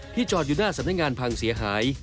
จอดอยู่หน้าสำนักงานพังเสียหาย